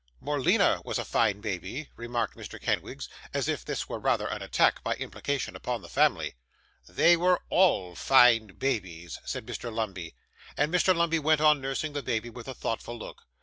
'Morleena was a fine baby,' remarked Mr. Kenwigs; as if this were rather an attack, by implication, upon the family. 'They were all fine babies,' said Mr. Lumbey. And Mr. Lumbey went on nursing the baby with a thoughtful look.